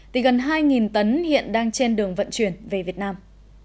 thì gần hai tấn hiện đang trên đường vận chuyển về việt nam